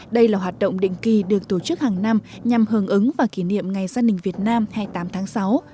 đây là hoạt động định kỳ được tổ chức hàng năm nhằm hưởng ứng và kỷ niệm ngày gia đình việt nam hai mươi tám tháng sáu